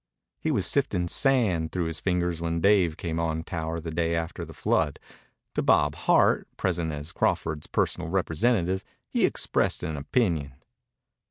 He was sifting sand through his fingers when Dave came on tower the day after the flood. To Bob Hart, present as Crawford's personal representative, he expressed an opinion.